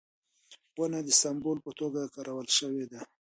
ونه د سمبول په توګه کارول شوې ده.